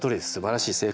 すばらしい。